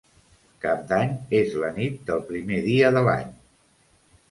Cap d'Any és la nit del primer dia de l'any.